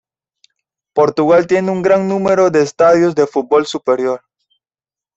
Portugal tiene un gran número de estadios de fútbol superior.